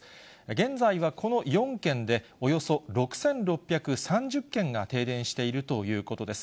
現在はこの４県で、およそ６６３０軒が停電しているということです。